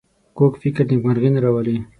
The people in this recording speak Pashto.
کوږ فکر نېکمرغي نه راولي